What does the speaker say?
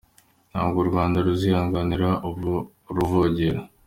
Ntabwo u Rwanda ruzihanganira abaruvogera